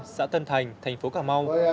xã tân thành thành phố cà mau